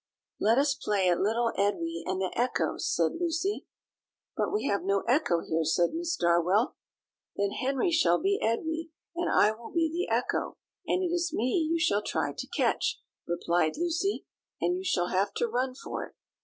"Let us play at Little Edwy and the Echo," said Lucy. "But we have no echo here," said Miss Darwell. "Then Henry shall be Edwy, and I will be the echo: and it is me you shall try to catch," replied Lucy; "and you shall have to run for it.